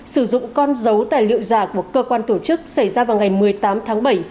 sử dụng con dấu tài liệu giả của cơ quan tổ chức xảy ra vào ngày một mươi tám tháng bảy